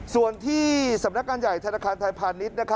ส่วนที่สำนักการณ์ใหญ่ธนาคารไทยพาลนิษฐ์